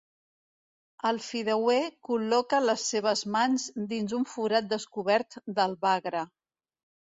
El fideuer col·loca les seves mans dins un forat descobert del bagra.